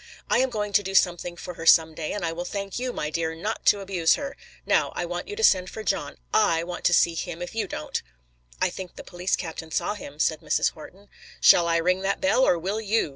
I am going to do something for her some day, and I will thank you, my dear, not to abuse her. Now I want you to send for John. I want to see him if you don't." "I think the police captain saw him," said Mrs. Horton. "Shall I ring that bell or will you?"